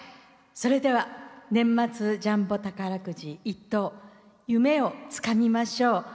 それでは年末ジャンボ宝くじ１等夢をつかみましょう。